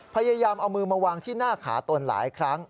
พยายามเอามือมาวางที่หน้าขาตนหลายครั้ง